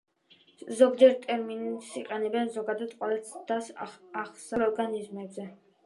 ზოგჯერ ტერმინს იყენებენ, ზოგადად, ყველა ცდას აღსაწერად ცოცხალ ორგანიზმზე.